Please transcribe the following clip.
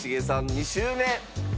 ２周目。